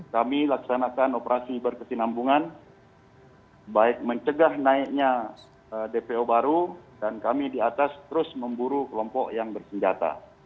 kami laksanakan operasi berkesinambungan baik mencegah naiknya dpo baru dan kami di atas terus memburu kelompok yang bersenjata